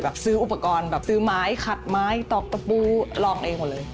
ซื้ออุปกรณ์แบบซื้อไม้ขัดไม้ตอกตะปูลองเองหมดเลย